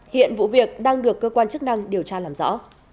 hiện vụ việc đang được cơ quan chức năng điều tra làm rõ